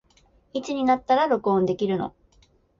いつになったら録音できるの